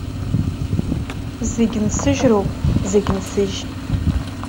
Зегь нсыжьроуп, зегь нсыжь!